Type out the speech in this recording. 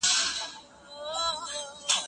زه په کمپيوټر کي راپور ليکم.